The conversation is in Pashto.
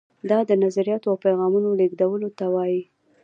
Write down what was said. دا د نظریاتو او پیغامونو لیږدولو ته وایي.